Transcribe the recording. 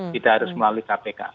tidak harus melalui kpk